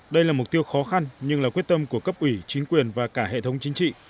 đây là mục tiêu khó khăn nhưng là quyết tâm của cấp ủy chính quyền và cả hệ thống chính trị